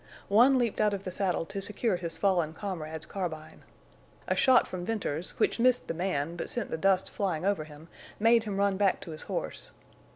One leaped out of the saddle to secure his fallen comrade's carbine. A shot from Venters, which missed the man but sent the dust flying over him made him run back to his horse.